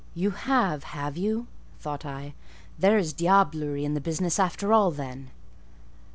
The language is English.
"You have—have you?" thought I; "there is diablerie in the business after all, then!"